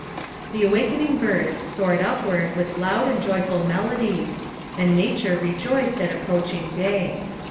The awakening birds soared upward with loud and joyful melodies, a ad nature rejoiced at approaching day.